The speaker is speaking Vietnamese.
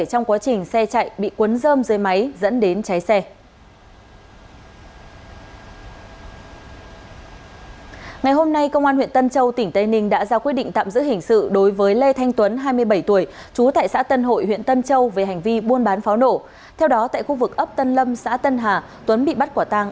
theo đó tại khu vực ấp tân lâm xã tân hà tuấn bị bắt quả tang